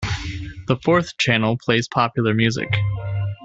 The Fourth Channel plays popular music.